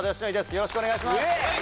よろしくお願いします！